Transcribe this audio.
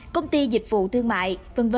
công ty dịch vụ thương mại